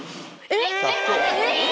えっ？